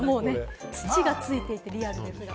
土がついていてリアルですが。